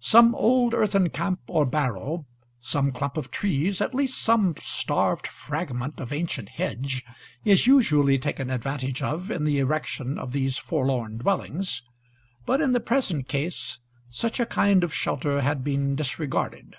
Some old earthen camp or barrow, some clump of trees, at least some starved fragment of ancient hedge, is usually taken advantage of in the execution of these forlorn dwellings; but in the present case such a kind of shelter had been disregarded.